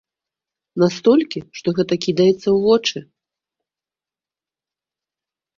Настолькі, што гэта кідаецца ў вочы.